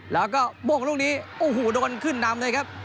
แล้วก็โบ้งลูกนี้โอ้โหโดนขึ้นนำเลยครับ